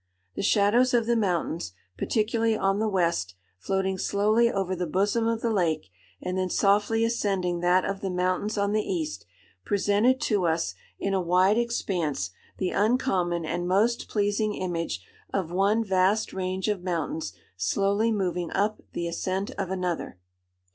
The shadows of the mountains, particularly on the west, floating slowly over the bosom of the lake, and then softly ascending that of the mountains on the east, presented to us, in a wide expanse, the uncommon and most pleasing image of one vast range of mountains slowly moving up the ascent of another.